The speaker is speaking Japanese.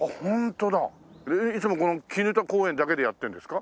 いつもこの砧公園だけでやってるんですか？